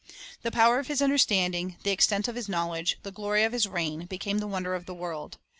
The power of his understanding, the extent of his knowledge, the glory of his reign, became the wonder of the world.